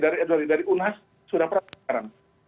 dari unhas sudah protes sekarang